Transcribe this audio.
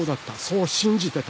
そう信じてた。